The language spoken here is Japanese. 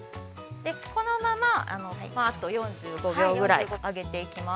このままぱあっと４５秒ぐらい揚げていきます。